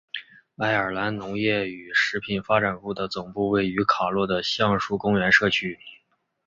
爱尔兰农业与食品发展部的总部位于卡洛的橡树公园社区。